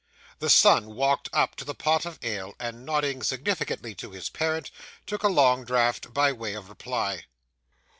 The son walked up to the pot of ale, and nodding significantly to his parent, took a long draught by way of reply.